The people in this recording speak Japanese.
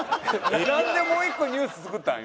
なんでもう１個ニュース作ったん？